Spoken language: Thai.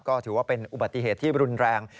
ก็ถือว่าเป็นอุบัติเหตุที่รุนแรง